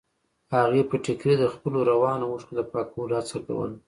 هغې په ټيکري د خپلو روانو اوښکو د پاکولو هڅه کوله.